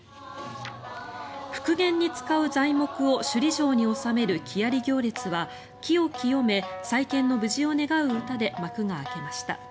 復元に使う材木を首里城に納める木遣行列は木を清め、再建の無事を願う歌で幕が開けました。